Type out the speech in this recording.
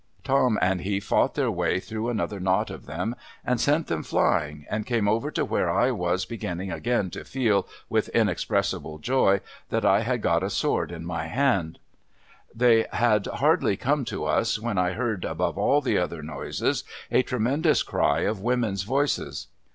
Tom and he fought their way through another knot of them, and sent them flying, and came over to where I was beginning again to feel, with inexpres sible joy, that I had got a sword in my hand. They had hardly come to us, when I heard, above all the other noises, a tremendous cry of women's voices.